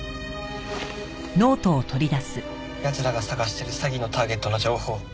奴らが捜してる詐欺のターゲットの情報。